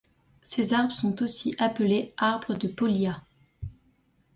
Ces arbres sont aussi appelés arbres de Pólya.